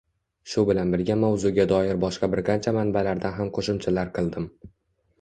Shu bilan birga mavzuga doir boshqa bir qancha manbalardan ham qo‘shimchalar qildim